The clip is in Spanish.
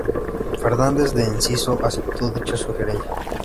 Fernández de Enciso aceptó dicha sugerencia.